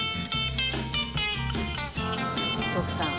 徳さん